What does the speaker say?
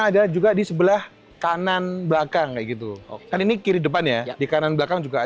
ada juga di sebelah kanan belakang kayak gitu kan ini kiri depan ya di kanan belakang juga ada